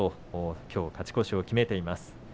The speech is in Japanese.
きょう勝ち越しを決めています。